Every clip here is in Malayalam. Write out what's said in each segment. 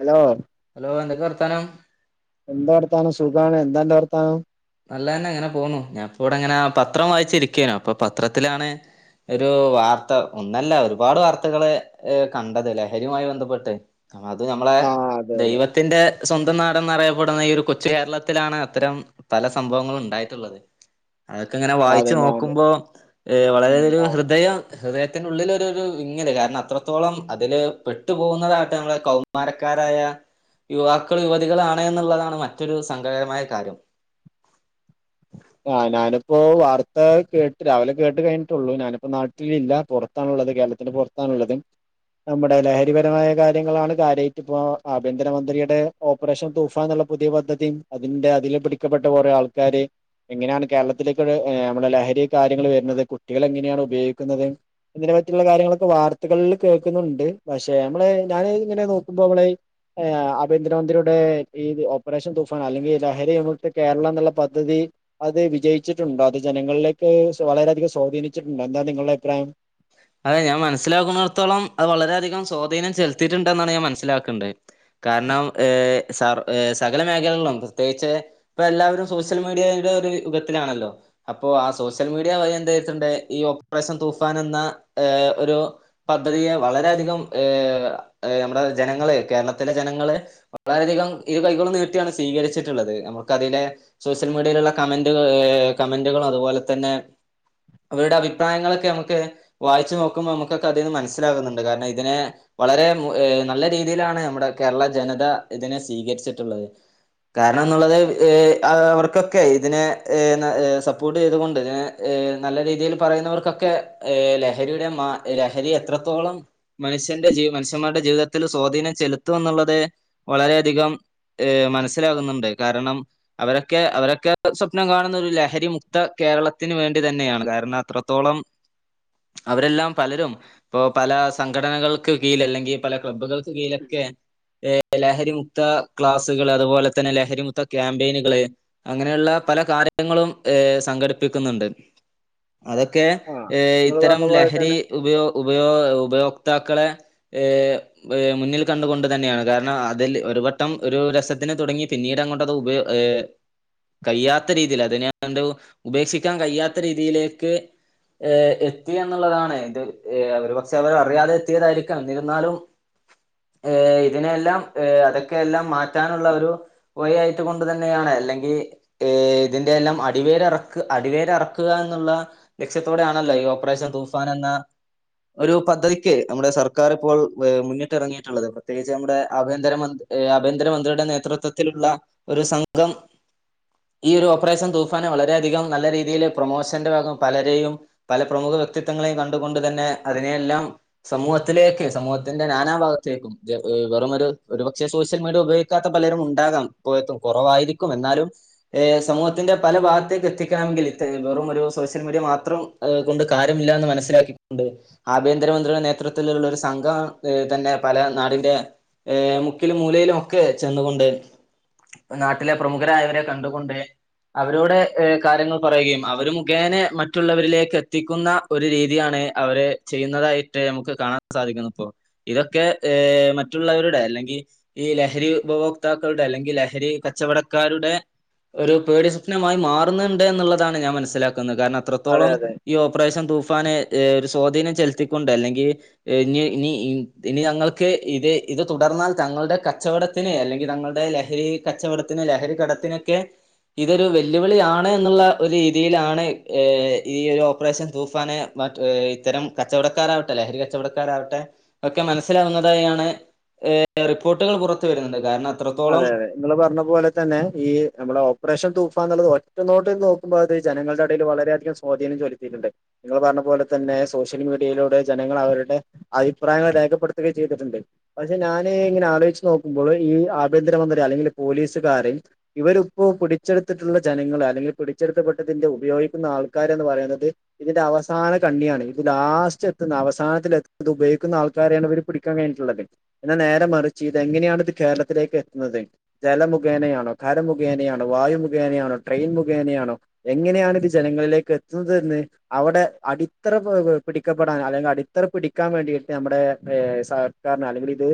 ഹലോ ഹലോ എന്തക്കെ വർത്താനം? എന്താവർത്താനം സുഖാണ് എന്താ അന്റെ വർത്താനം നല്ലഎന്നെഅങ്ങനെപോന്നുഞാൻപ്പ ഇവിടങ്ങനെ പത്രം വായിച്ചിരിക്കനു അപ്പൊ പത്രത്തിലാണെ ഒരു വാർത്ത ഒന്നല്ല ഒരുപാട് വാർത്തകള് ഏഹ് കണ്ടത് ലഹരിയുമായി ബന്ധപ്പെട്ട് അത് നമ്മളെ ആഹ് അതെ അതെ ദൈവ ത്തിന്റെ സ്വന്തം നാടന്നറിയപ്പെടുന്ന ഈ ഒരു കൊച്ചു കേരളത്തിലാണ് അത്തരം പല സംഭവങ്ങളും ഉണ്ടായിട്ടുള്ളത് അതൊക്കെ ഇങ്ങനെ അതെ വായിച്ചു ഞാന് നോക്കുമ്പോൾ വളരെ ഒരു ഹൃദയം ഹൃദയത്തിന്റെ ഉള്ളിലൊരു ഒരുവിങ്ങല് കാരണം അത്രത്തോളം അതില് പെട്ടുപോകുന്നതാട്ടെ നമ്മളെ കൗമാ മരക്കാരായ യുവാക്കൾ യുവതികളാണ് എന്നുള്ളതാണ് മറ്റൊരു സങ്കടകമായ കാര്യം ആഹ് ഞാനിപ്പോ വാർത്ത കേട്ട് രാവിലെ കേട്ട് കഴിഞ്ഞിട്ടുള്ളൂ ഞാനിപ്പോ നാട്ടിലില്ല പൊറ ത്താണ്ള്ളത് കേരളത്തിന്റെ പുറത്താണുള്ളത് നമ്മടെ ലഹരിപരമായ കാര്യങ്ങളാണ് കാര്യായിട്ട്പ്പോ ആഭ്യന്തരമന്ത്രിയുടെ ഓപ്പറേഷൻ തൂഫാൻ ന്നുംള്ള പുതിയ പദ്ധതിം അതിന്റെ അതില് പിടിക്കപ്പെട്ട കുറേ ആൾക്കാര് എങ്ങനെയാണ് കേരളത്തിലേക്ക് ഏ നമ്മുടെ ലഹരി കാര്യങ്ങൾ വരുന്നത് കുട്ടികൾ എങ്ങനെയാണ് ഉപയോഗിക്കുന്നത് ഇങ്ങനെ മറ്റുള്ള കാര്യങ്ങളൊക്കെ കാര്യങ്ങളൊക്കെ വാർത്തകളില് കേൾക്കുന്നുണ്ട് പക്ഷെ ഞമ്മള് ഞാൻ ഇങ്ങനെ നോക്കുമ്പോ മ്മള് ഏഹ് ആഭ്യന്തരമന്ത്രിയുടെ ഈ ഓപ്പറേഷൻ തൂഫാൻ അല്ലെങ്കിൽ ലഹരി വിമുക്ത കേരളം ന്നുള്ള പദ്ധതി അത് വിജയിച്ചിട്ടുണ്ടോ അത് ജനങ്ങളിലേക്ക് സൊ വളരെയധികം സ്വാധീനിച്ചിട്ടുണ്ടോ എന്താ നിങ്ങള്ടെ അഭിപ്രായം അതെ ഞാൻ മനസ്സിലാക്കുന്നട്ത്തോളം അത് വളരെയധികം സ്വാധീനം ചെലുത്തീട്ടുണ്ടെന്നാണ് ഞാൻ മനസ്സിലാക്കേ കാരണം ഏ സർ എ സകല മേഖലകളും പ്രത്യേകിച്ച് ഇപ്പല്ലാവരും സോഷ്യൽ മിഡിയലൊര് യുഗത്തിലാണല്ലോ അപ്പൊ ആഹ് സോഷ്യൽ മീഡിയ വഴി എന്ത് വിജാട്ടുണ്ട് ഈ ഓപ്പറേഷൻ തൂഫാൻ എന്ന ഏ ഒരു പദ്ധതിയെ വളരെയധികം ഏ നമ്മുടെ ജനങ്ങള് കേരളത്തിലെ ജനങ്ങള് വളരെയധികം ഇരു കൈകളും നീട്ടിയാണ് സ്വീകരിച്ചിട്ടുള്ളത് നമുക്കതിലെ സോഷ്യൽ മീഡിയയിലുള്ള കമന്റുക ഏ കമന്റുകൾ അതുപോലെ തന്നെ അവരുടെ അഭിപ്രായങ്ങളൊക്കെ നമുക്ക് വായിച്ചു നോക്കുമ്പോ നമ്മക്കൊക്കെ അതീന്ന് മനസ്സിലാകുന്നുണ്ട് കാരണം ഇതിനെ വളരെ മു ഏ നല്ല രീതിയിലാണ് നമ്മുടെ കേരള ജനത ഇതിനെ സ്വീകരിച്ചിട്ട്ള്ളത് കാരണം ന്നുള്ളത് ങ് അവർക്കൊക്കെ ഇതിനെ ഹ് ന് ഹ് സപ്പോട്ട് ചെയ്തുകൊണ്ട് ങ് ങ് നല്ല രീതിയിൽ പറയുന്നവർക്കൊക്കെ ഏ ലഹരിയുടെ മാ ലഹരി എത്രത്തോളം മനുഷ്യന്റെ ജീ മനുഷ്യന്മാരുടെ ജീവിതത്തിൽ സ്വാധീനം ചെലുത്തുന്നുള്ളത് വളരെയധികം ങ് മനസ്സിലാകുന്നുണ്ട് കാരണം അവരൊക്കെ അവരൊക്കെ സ്വപ്നം കാണുന്നൊരു ലഹരി മുക്ത കേരളത്തിന് വേണ്ടി തന്നെയാണ് കാരണം അത്രത്തോളം അവരെല്ലാം പലരും ഇപ്പോ പലാ സംഘടനകൾക്ക് കീഴലല്ലെങ്കി പല ക്ലബ്ബുകൾക്ക് കീഴിലൊക്കെ ഏ ലഹരിമുക്താ ക്ലാസുകള് അതുപോലെ തന്നെ ലഹരിമുക്ത ക്യാമ്പീനുകള് അങ്ങനെയുള്ള പല കാര്യങ്ങളും ഏ സംഘടിപ്പിക്കുന്ന്ണ്ട് അതൊക്കേ ആ ഏ നിങ്ങൾ ഇത്തരം പറഞ്ഞ പോലെ ലഹരി തന്നെ ഉപയൊ ഉപയോ ഉപയോക്താക്കളെ ങ് ങ് മുന്നിൽ കണ്ടുകൊണ്ട് തന്നെയാണ് കാരണം അതിൽ ഒരു വട്ടം ഒരു രസത്തിന് തുടങ്ങി പിന്നീടങ്ങോട്ടത് ഉപയോ ങ് കയ്യാത്ത രീതിയിൽ അതിനണ്ട് ഉപേക്ഷിക്കാൻ കയിയാത്ത രീതിയിലേക്ക് ങ് എത് ത്തി എന്നുള്ളതാണ് ഇത് ഏ ഒരു പക്ഷെ അവർ അറിയാതെ എത്തിയതായിരിക്കാം എന്നിരുന്നാലും ങ് ഇതിനെയെല്ലാം ങ് അതൊക്കെല്ലാം മാറ്റാനുള്ള ഒരു പൊയായിട്ട് കൊണ്ട് തന്നെയാണ് അല്ലെങ്കി ഏയ് ഇതിന്റെയെല്ലാം അടിവേരറക്ക അടിവേരറക്കുക എന്നുള്ള ലക്ഷ്യത്തോടെയാണല്ലോ ഈ ഓ ഓപ്പറേഷൻ തൂഫാൻ എന്ന ഒരു പദ്ധതിക്ക് നമ്മുടെ സർക്കാറിപ്പോൾ ഏ മുന്നിട്ടെറങ്ങീട്ടുള്ളത് പ്രത്യേകിച്ച് നമ്മുടെ ആഭ്യാന്തര മ ഏ ആഭ്യന്തരമന്ത്രിയുടെ നേതൃത്വത്തിലുള്ള ഒരു സംഘം ഈ ഒരു ഓപ്പറേഷൻ തൂഫാനെ വളരെയധികം നല്ല രീതിയില് പ്രൊമോഷന്റെ ഭാഗം പലരേയും പ്രമുഖ വ്യക്തിത്വങ്ങളെയും കണ്ടു കൊണ്ട് തന്നെ അതിനെയെല്ലാം സമൂഹത്തിലേക്ക് സമൂഹത്തിന്റെ നാനാ ഭാഗത്തേക്കും [unintelligible] വെറും മൊര് ഒരു പക്ഷേ സോഷ്യൽ മിഡീയ ഉപയോഗിക്കാത്ത പലരുമുണ്ടാകാം കോയത്തും കൊറവായിരിക്കും എന്നാലും ഏ സമൂഹത്തിന്റെ പല ഭാഗത്തേക്ക് എത്തിക്കണമെങ്കിൽ ഇത്തര് വെറും ഒരു സോഷ്യൽ മീഡിയ മാത്രം കൊണ്ട് കാരംമില്ലാന്ന് മനസ്സിലാക്കി കൊണ്ട് ആഭ്യന്തരമന്ത്രിയുടെ നേതൃത്വത്തിലുള്ള ഒരു സംഘം തന്നെ പല നാടിൻ്റെ ഏയ് മുക്കിലും മൂലയിലും ഒക്കെ ചെന്നുകൊണ്ട് നാട്ടിലെ പ്രമുഖരായവരെ കണ്ടുകൊണ്ട് അവരോടെ കാര്യങ്ങൾ പറയുകയും അവര് മുഖേനെ മറ്റുള്ളവരിലേക്ക് എത്തിക്കുന്ന ഒരു രീതിയാണ് അവര് ചെയ്യുന്നതായിട്ട് നമുക്ക് കാണാൻ സാധിക്കുന്നതിപ്പോ ഇതൊക്കെ ഏ മറ്റുള്ളവരുടെ അല്ലെങ്കി ഈ ലഹരി ഉപഭോക്താക്കളുടെ അല്ലെങ്കി ലഹരി കച്ചവടക്കാരുടെ ഒരു പേടി സ്വപ്നമായി മാറുന്നിണ്ട് എന്നുള്ളതാണ് ഞാൻ മനസ്സിലാക്കുന്നത് കാരണം അതെ അത്രത്തോളം അതെ ഈ ഓപ്പറേഷൻ തൂഫാനെ ഒര് സ്വാധീനം ചെൽത്തിക്കൊണ്ട് അല്ലെങ്കി ഇനി ഇനി ഇനി ഞങ്ങൾക്ക് ഇത് ഇത് തുടർന്നാൽ തങ്ങളുടെ കച്ചവട ത്തിന് അല്ലെങ്കിൽ തങ്ങളുടെ ലഹരി കച്ചവടത്തിന് ലഹരി കടത്തിനൊക്കെ ഇതൊരു വെല്ലുവിളിയാണ് എന്നുള്ള ഒരു രീതിയിലാണ് ഈ ഒരു ഒ പ്പറേഷൻ തൂഫാന് മ ഇത്തരം കച്ചവടക്കാരാവട്ടെ ലെഹരി കച്ചവടക്കാരാവട്ടെ ഒക്കെ മനസ്സിലാവുന്നതായാണ് റിപ്പോർട്ടുകൾ പുറത്ത് വെരുന്നത് കാരണം അത്രത്തോളം അതെ അതെ നിങ്ങള് പറഞ്ഞ പോലെ തന്നെ ഈ നമ്മളെ ഓപ്പറേഷൻ തൂഫൻ എന്നുള്ളത് ഒറ്റ നോട്ടത്തി നോക്കുമ്പോഴത് ജനങ്ങൾടെ എടയില് വളരെയധികം സ്വാധീനം ചൊലിത്തിയിട്ടുണ്ട് നിങ്ങള് പറഞ്ഞ പോലെ തന്നെ സോഷ്യൽ മീഡിയയിലൂടെ ജനങ്ങള് അവരുടെ അഭിപ്രായങ്ങള് രേഖപ്പെടുത്തുകെ ചെയ്തിട്ടുണ്ട് പക്ഷെ ഞാന് ഇങ്ങനെ ആലോചിച്ച് നോക്കുമ്പോഴ് ഈ ആ ഭ്യന്തരമന്ത്രി അല്ലെങ്കില് പോലീസുകാര് ഇവരിപ്പോ പിടിച്ചെടുത്തിട്ടുള്ള ജനങ്ങള് അല്ലെങ്കി പിടിച്ചെടുത്തപ്പെട്ടതിന്റെ ഉപയോഗിക്കുന്ന ആൾക്കാരന്ന് പറയുന്നത് ഇതിന്റെ അവസാന കണ്ണിയാണ് ഇത് ലാസ്റ്റ് എത്തുന്ന അവസാനത്തിൽ എത്ത് ഉപയോഗിക്കുന്ന ആൾക്കാരെയാണ് ഇവര് പിടി ക്കാൻ കഴിഞ്ഞട്ടുള്ളത് എന്നാ നേരെ മറിച്ച് ഇത് എങ്ങനെയാണ് ഇത് കേരളത്തിലേക്ക് എ ത്തുന്നത് ജല മുഖേനയാണോ ഖര മുഖേനയാണോ വായു മുഖേനയാണോ ട്രെയിൻ മുഖേനയാണോ എങ്ങനെയാണ് ഇത് ജനങ്ങളിലേക്ക് എത്തുന്നത് എന്ന് അവടെ അടിത്തറ പി പി പിടിക്കപ്പെടാൻ അല്ലെങ്കി അടിത്തറ പിടിക്കാൻ വേണ്ടിയിട്ട് നമ്മടെ സ കാരണം അല്ലെങ്കിലിത്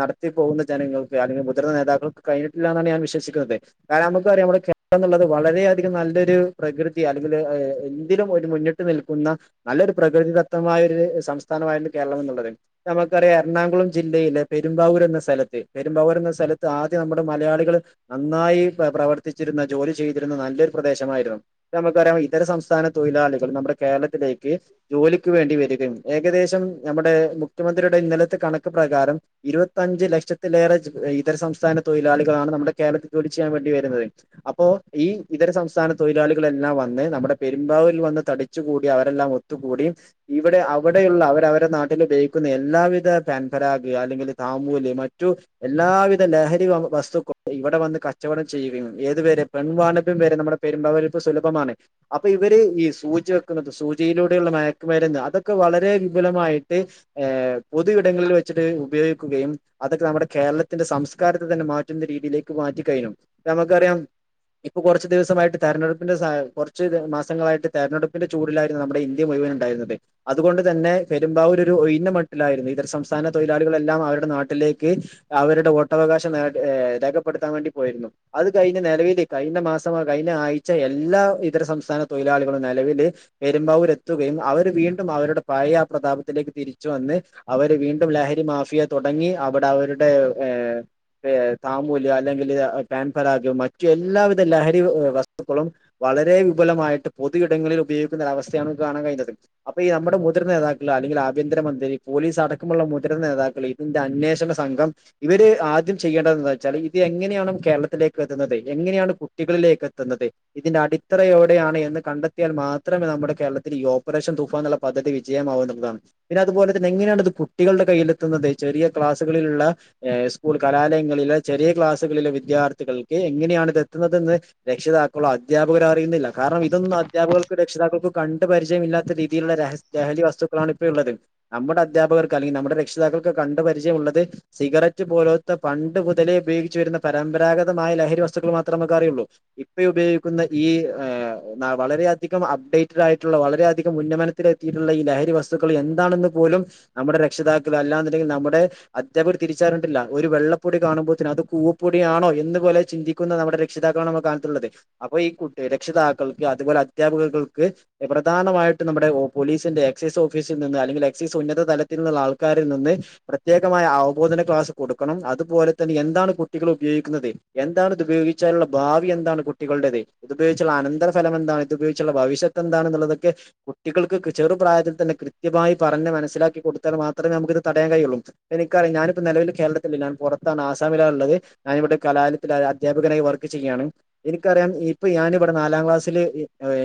നടത്തി പോകുന്ന ജനങ്ങൾക്ക് അല്ലെങ്കി മുതിർന്ന നേതാക്കൾക്ക് കഴിഞ്ഞിട്ടില്ലാന്നാണ് ഞാൻ വിശ്വസിക്കുന്നത് കാരണം നമുക്ക അറിയാം നമ്മടെ കേ ളം എന്നുള്ളത് വളരെയധികം നല്ലൊരു പ്രകൃതി അല്ലെങ്കില് എന്തിനും ഒരു മുന്നി ട്ട് നിൽക്കുന്ന നല്ലൊരു പ്രകൃതിദത്തമായൊരു സംസ്ഥാനമായിണ്ട് കേരളം എന്നുള്ളത് നമുക്കറിയാം എറണാകുളം ജില്ലയിലെ പെരുമ്പാവൂര് എന്ന സ്ഥലത്ത് പെരുമ്പാവൂർ എന്ന സ്ഥലത്ത് ആദ്യം നമ്മുടെ മലയാളികള് നന്നായി പ്രവർത്തിച്ചിരുന്ന ജോലി ചെയ്തിരുന്ന നല്ലൊരു പ്രദേശമായിരുന്നു നമുക്കറിയാം ഇതര സംസ്ഥാന തൊഴിലാളികള് നമ്മുടെ കേരളത്തിലേക്ക് ജോലിക്ക് വേണ്ടി വെരികയും ഏകദേശം നമ്മുടെ മുഖ്യമന്ത്രിയുടെ ഇന്നലത്തെ കണക്ക് പ്രകാരം ഇരുപത്തിഞ്ച് ലക്ഷത്തിലേറെ ഇതര സംസ്ഥാന തൊഴിലാളികളാണ് നമ്മുടെ കേരളത്തിൽ ജോലി ചെയ്യാൻ വേണ്ടി വെരുന്നത് അപ്പോ ഈ ഇതര സംസ്ഥാന തൊഴിലാളികളെല്ലാം വന്ന് നമ്മുടെ പെരുമ്പാവൂരിൽ വന്ന് തടിച്ചുകൂടി അവരെല്ലാം ഒ ത്തു കൂടി ഇവടെ അവിടെയുള്ള അവരവരുടെ നാട്ടിൽ ഉപയോഗിക്കുന്ന എല്ലാവിധ പാൻപരാഗ് അല്ലെങ്കില് താമൂല് മറ്റു എല്ലാ വി ലഹരി വസ്തുക്കള് ഇവിടെ വന്ന് കച്ചവടം ചെയ്യുകയും ഏതുവരെ പെൺവാണിഭം വരെ നമ്മുടെ- പെരുമ്പവൂര് ഇപ്പൊ സുലഭമാണ് അപ്പൊ ഇവര് ഈ സൂചി വെക്കുന്നത് സൂചയിലൂടെയുള്ള മയക്കുമരുന്ന് അതൊക്കെ വളരെ വിപുലമായിട്ട്- ഏ പൊതു ഇടങ്ങളിൽ വെച്ചിട്ട് ഉപയോഗിക്കുകയും അതൊക്കെ നമ്മുടെ കേരളത്തിന്റെ സം- സംകാരത്തെ തന്നെ മാറ്റുന്ന രീതിയിലേക്ക് മാറ്റിക്കഴിഞ്ഞു നമുക്കറിയാം- ഇപ്പൊ കൊറച്ച് ദിവസമായിട്ട് തെരഞ്ഞെടുപ്പിന്റെ കൊറച്ച് മാസങ്ങളായിട്ട് തെരഞ്ഞെടുപ്പിന്റെ ചൂടിലായിട്ട്- നമ്മുടെ ഇന്ത്യ മുഴുവൻ ഉണ്ടായിരുന്നതെ അതുകൊണ്ട് തന്നെ പെരുമ്പാവൂര് ഒരു ഒഴിഞ്ഞ മട്ടിലായിരുന്നു ഇതര സംസ്ഥാന തൊഴിലാളികളെല്ലാം അവരുടെ നാട്ടിലേക്ക്- അവരുടെ വോട്ടവകാശം രേഖപ്പെടുത്താൻ വേണ്ടി പോയിരുന്നു. അത് കഴിഞ്ഞ നെലവില് കഴിഞ്ഞ മാസം കഴിഞ്ഞ ആഴ്ച എല്ലാ ഇതര സംസ്ഥാന തൊഴിലാളികളും നെലവില്- പെരുമ്പാവൂര് എത്തുകയും അവര് വീണ്ടും അവരുടെ പഴയ ആ പ്രതാപത്തിലേക്ക് തിരിച്ചു വന്ന്- അവര് വീണ്ടും ലഹരി മാഫിയ തൊടങ്ങി അവിടെ അവരുടെ ഏ- താമൂല് അല്ലെങ്കില് കാൻഫറാഗ മറ്റു എല്ലാവിധ ലഹരി വസ്തുക്കളും- വളരെ വിപുലമായിട്ട് പൊതു ഇടങ്ങളിൽ ഉപയോഗിക്കുന്ന ഒരു അവസ്ഥയാണ് കാണാൻ കഴിഞ്ഞുന്നത്. അപ്പൊ ഈ നമ്മുടെ മുതിർ നേതാക്കൾ അല്ലെങ്കിൽ ആഭ്യന്തരമന്ത്രി പോലീസ് അടക്കമുള്ള മുതിർന്ന നേതാക്കള്- ഇതിന്റെ അന്വേഷണ സംഘം ഇവര് ആ- ത് ചെയ്യേണ്ടത് എന്തെന്ന് വെച്ചാല് ഇത് എങ്ങനെയാണ് കേരളത്തിലേക്ക് എത്തുന്നത് എങ്ങനെയാണ് കുട്ടികളിലേക്ക് എത്തുന്നത്- ഇതിന്റെ അടിത്തറയോടെയാണ് എന്ന് കണ്ടെത്തിയാൽ മാത്രമേ നമ്മുടെ കേരളത്തിൽ ഈ ഓപ്പറേഷൻ തുഫാ - പദ്ധതി വിജയമാവുന്നതാണ്- പിന്നെ അതുപോലെ തന്നെ എങ്ങനെയാണ് ഇത് കുട്ടികളുടെ കയ്യിൽ എത്തുന്നത് ചെറിയ ക്ലാസ്സുകളിലുള്ള- സ്കൂൾ കലാലയങ്ങളില് ചെറിയ ക്ലാസ്സുകളിലെ വിദ്യാർത്ഥികൾക്ക് എങ്ങനെയാണ് ഇത് എത്തുന്നതെന്ന്- രക്ഷിതാക്കളോ അധ്യാപകര അറിയുന്നില്ല കാരണം ഇതൊന്നും അധ്യാപകൾക്ക് രക്ഷിതാക്കൾക്ക് കണ്ട് പരിചയമല്ലാത്ത രീതിയിലുള്ള രഹസ- ലഹരി വസ്തുക്കളാണ് ഇപ്പോഴു ള്ളത് നമ്മുടെ അധ്യാപകർക്ക് അല്ലെങ്കിൽ നമ്മുടെ രക്ഷിതാക്കൾക്ക് കണ്ടു പരിചയമുള്ളത് സിഗരറ്റ് പോലോ- ഇത്തെ പണ്ട് മുതലേ ഉപയോഗിച്ച് വരുന്ന പരമ്പരാഗതമായ ലഹരി വസ്തുക്കൾ മാത്രേ നമുക്ക് അറിയുള്ളൂ ഇപ്പ ഈ ഉപയോഗിക്കുന്ന ഈ വളരെയധികം അപ്ഡേറ്റഡ് ആയിട്ടുള്ള വളരെയധികം ഉന്നമന- ത്തിലെത്തിയിട്ടുള്ള ഈ ലഹരി വസ്തുക്കൾ എന്താണെന്ന് പോലും- നമ്മുടെ രക്ഷിതാക്കൾ അല്ലാ നുണ്ടെങ്കിൽ നമ്മുടെ അധ്യപകർ തിരിച്ചറിഞ്ഞിട്ടില്ല ഒരു വെള്ളപ്പൊടി കാണുമ്പോൾത്തനെ അത് കൂവപ്പൊടിയണോന്ന് പോലും ചിന്തിക്കുന്ന നമ്മുടെ രക്ഷിതാക്കളാണ് നമ്മടെ കാലത്തുള്ളത് അപ്പൊ ഈ കുട്ടി രക്ഷിതാക്കൾക്ക് അതുപോലെ അധ്യാപകൾക്ക്- പ്രധാനമായിട്ടും നമ്മുടെ പോലീസിന്റെ എക്സൈസ് ഓഫീസിൽ നിന്ന് അല്ലെങ്കിൽ എക്സൈസ് ഉന്നത തലത്തിലുള്ള ആൾക്കാരിൽ നിന്ന്- പ്രത്യേകമായ അവബോധന ക്ലാസും - കൊടുക്കണം അതുപോലെ തന്നെ എന്താണ് കുട്ടികൾ ഉപയോഗിക്കുന്നത് എന്താണ് ഇത് ഉപയോഗിച്ചാലുള്ള ഭാവി എന്താണ് കുട്ടികളടേത് ഇതുപയോഗിച്ചുള്ള അനന്തര ഫലം എന്താണ് ഇത് ഉപയോഗിച്ചുള്ള ഭവിഷ്യത്ത് എന്താണെന്നുള്ളതൊക്കെ- കുട്ടികൾക്ക് ചെറുപ്രായത്തിൽ തന്നെ കൃത്യമായി പറഞ് മനസ്സിലാക്കി കൊടുത്താൽ മാത്രമേ നമുക്ക് ഇത് തടയാൻ കഴിയുള്ളൂ എനിക്കറാം ഞാനിപ്പോ നിലവില് - കേരളത്തിലില്ല ഞാൻ പുറത്താണ് ആസാമിലാണുള്ളത് ഞാന ഇവിടെ കലാലയത്തിൽ അധ്യാപകനായി വർക്ക് ചെയ്യുകയാണ് എനിക്കറിയാം ഇപ്പൊ ഞാന് ഇവിടെ നാലാം ക്ലാസ്സില്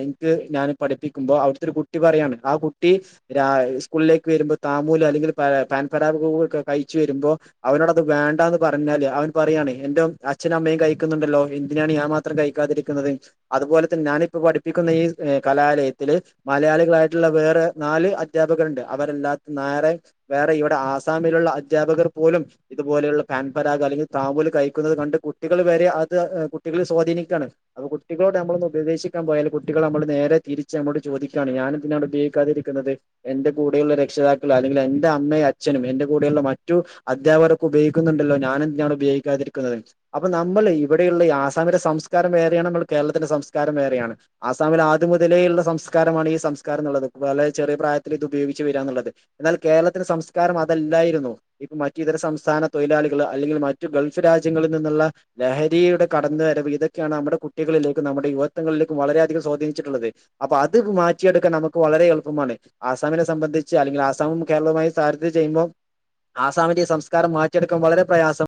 എനിക്ക് ഞാന് പഠിപ്പിക്കുമ്പോ അവിടുത്തെ ഒരു കുട്ടി കുട്ടി പറയാണ് ആ കുട്ടി- രാ സ്കൂളിലേക്ക് വരുമ്പോ താമൂല് അല്ലെങ്കിൽ പാൻ പരാപ് ഒക്കെ കഴിച്ചു വരുമ്പോ- അവനോട് അത് വേണ്ടാ എന്ന് പറഞ്ഞാല് അവൻ പറയും എന്റെ അച്ഛനും അമ്മയും കഴിക്കുന്നുണ്ടല്ലോ എന്തിനാണ് ഞാൻ മാത്രം- ത്രം കഴിക്കാതിരിക്കുന്നത് അതുപോലെ തന്നെ ഞാനിപ്പ പഠിപ്പിക്കുന്ന ഈ കലാലയത്തില്- മലയാളികളായിട്ടുള്ള വേറെ നാല് അദ്ധ്യാപകരുണ്ട് അവരെല്ലാത്തും നേരെ- വേറെ ഇവിടെ ആസാമിലുള്ള അദ്ധ്യാപകർ പോലും- ഇതുപോലെയുള്ള പാൻ പരാഗ് അല്ലെങ്കിൽ താമ്പൂല് കഴിക്കുന്നത് കണ്ട് കുട്ടികൾ വരെ അത് കുട്ടികളെ സ്വാധീനിക്കുകയാണ് അപ്പൊ കുട്ടികളോട് നമ്മളൊന്ന് ഉപദേശിക്കാൻ പോയാല് കുട്ടികള് നമ്മള് നേരെ തിരിച്ച് നമ്മളോട് ചോദിക്കയാണ് ഞാന് എന്തിനാണ് ഉപയോഗിക്കാതിരിക്കുന്നത് എന്റെ കൂടെയുള്ള രക്ഷിതാക്കള് അല്ലെങ്കിൽ എന്റെ അമ്മയും അച്ഛനും എന്റെ കൂടെയുള്ള മറ്റു- അധ്യാപകർയൊക്കെ ഉപയോഗിക്കുന്നുണ്ടല്ലോ ഞാനെ എന്തിനാണ് ഉപയോഗിക്കാതിരിക്കുന്നത് അപ്പൊ നമ്മള് ഇവിടെയുള്ള ഈ ആസാമിന്റെ സംസ്കാരം വേറെയാണ് നമ്മൾ കേരളത്തിന്റെ സംസ്കാരം വേറെയാണ് ആസാമിൽ ആദ്യ മുതലേ ഉള്ള സംസ്കാരമാണ് ഈ സംസ്കാരം എന്നുള്ളത് വളരെ ചെറിയ പ്രായത്തിൽ ഇത് ഉപയോഗിച്ച് വരുക എന്നുള്ളത് എന്നാൽ കേരളത്തിന്റെ സംസ്കാരം അതല്ലായിരുന്നു ഇപ്പ മാ ഇതര സംസ്ഥാന തൊഴിലാളികള് അല്ലെങ്കിൽ മറ്റു ഗൾഫ് രാജ്യങ്ങളിൽ നിന്നുള്ള ലഹരിയുടെ കടന്നുവരവ് ഇതൊക്കെയാണ് നമ്മുടെ കുട്ടികളിലേക്കും നമ്മുടെ യുവത്വങ്ങളിലേക്കും വളരെയധികം സ്വാധീനിച്ചിട്ടുള്ളത് അപ്പൊ അത് മാറ്റിയെടുക്കാൻ നമുക്ക് വളരെ എളുപ്പമാണ് ആസാമിനെ സംബന്ധിച്ച് അല്ലെങ്കി ആസാമും കേരളവുമായി സാരദ്യ ചെയ്യുമ്പോ സാമിക ഈ സംസ്കാരം മാറ്റിയെടുക്കാൻ വളരെ പ്രയാസം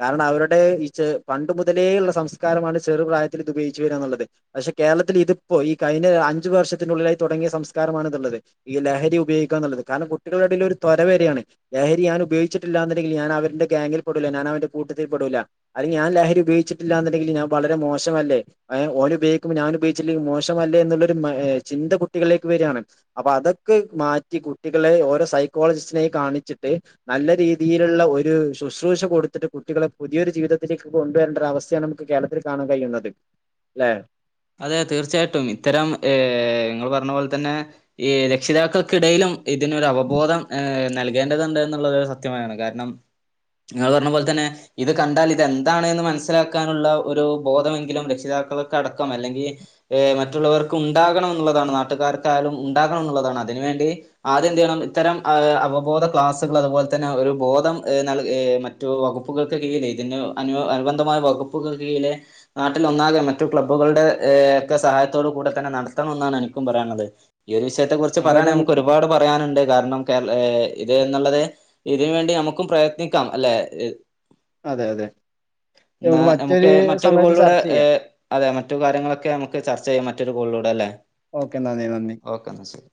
കാരണം അവരുടെ ഈ ച പണ്ട് മുതലേ ഉള്ള സംസ്കാരമാണ് ചെറു പ്രായത്തിൽ ഇതു ഉപയോഗിച്ച് വരാന്നുള്ളത് പക്ഷെ കേരളത്തില് ഇത്പ്പോ ഈ കഴിഞ്ഞ അഞ്ചു വർഷത്തിനുള്ളിലായി തുടങ്ങിയ സംസ്കാരമാണ് ഇത്ള്ളത് ഈ ലഹരി ഉപയോഗിക്കന്ന്ള്ളത് കാരണം കുട്ട [unintelligible] ഒരു ത്വരവരാണ് ലഹരി ഞാൻ ഉപയോ ചിട്ടില്ലാന്ന്ണ്ടങ്കിൽ ഞാൻ അവര്ടെ ഗ്യാങ്ങിൽ പെടൂല ഞാൻ അവന്റെ കൂട്ടത്തിൽ പെടൂല അതിൽ ഞാൻ ലഹരി ഉപയോഗിച്ചിട്ടില്ലാന്നുണ്ടെങ്കില് ഞാൻ വളരെ മോശമല്ലേ ഏ ഓനുപയോഗിക്കുമ്പം ഞാനും ഉപയോഗിചില്ലങ്കി മോശമല്ലേ എന്നുള്ളൊരു മ ചിന്ത കുട്ടികളിലേക്ക് വരാണ് അപ്പൊ അതൊക്കെ മാറ്റി കുട്ടികളെ ഓരോ സൈക്കോളജിസ്റ്റിനെയ് കാണിച്ചിട്ട് നല്ല രീതിയില്ള്ള ഒരു ശുശ്രൂഷ കൊടുത്തിട്ട് കുട്ടികളെ പുതിയൊരു ജീവിതത്തിലേക്ക് കൊണ്ടുവര്ണ്ടര് അവസ്ഥയാണ് കേരളത്തില് കാണാൻ കഴിയുള്ളത് ലെ അതെ തീർച്ചയായിട്ടും ഇത്തരം ഏ ഇങ്ങള് പർഞ്ഞ പോലെ തന്നെ ഈ രക്ഷിതാക്കൾക്കിടയിലും ഇതിനൊരു അവബോധം ഏ നൽകേണ്ടതുണ്ട് എന്നുള്ളത് സത്യമായാണ് കാരണം ഇങ്ങള് പർഞ്ഞ പോൽ തന്നെ ഇത് കണ്ടാല് ഇതന്താണ് ന്ന് മൻസ്സിലാക്കാനുള്ള ഒരു ബോധമെങ്കിലും രക്ഷിതാക്കൾക്ക അട ക്കം അല്ലങ്കി. എ മറ്റുള്ളവർക്കു ഉണ്ടാകണം എന്നുള്ളതാണ് നാട്ടുകാർക്കായാലും ഉണ്ടാകണം എന്നുള്ളതാണ് അതിന് വേണ്ടി ആദ്യം എന്ത് ചെയ്യണം. ഇത്തരം ഏ അവബോധ ക്ലാസ്സുകൾ അതുപോൽ തന്നെ ഒരു ബോധം നൽ മ, - മറ്റു വകുപ്പുകൾക്ക് കീഴിലെ, ഇതിന് അനു അനുബന്ധമായ വകുപ്പുകൾക്ക് കീഴിലെ നാട്ടിൽ ഒന്നാകെ മറ്റു ക്ലബ്ബ്. ബ്ബുകളുടെ ഏ ഒക്കെ സഹായത്തോടു കൂടെ തന്നെ നടത്തണം, എന്നാണ് എനിക്കും പറയാന്ള്ളത്. ഈ ഒരു വിഷയത്തെ കുറിച്ച് അപ്പൊ അത് പറയാണെ നമുക്ക് ഒരുപാട് പറയാനുണ്ട്. കാരണം കേര ഇത് എന്നുള്ളത് ഇതിന് വേണ്ടി നമുക്കും പ്രയത്നിക്കാം അല്ലെ അതെ അതെ ന്നാ നമുക്ക് മറ്റൊരു മറ്റൊരു സമയത്ത് കോൾലൂടെ, ചർച്ച ഏ ചെയ്യാം അതെ മറ്റു കാര്യങ്ങളൊക്കെ നമുക്ക് ചർച്ച ചെയ്യാം. മറ്റൊരു കോൾലൂടെ ല്ലേ ഓക്കെ ന്നാല്, നന്ദി ഓക്കെ ന്നാ ശരി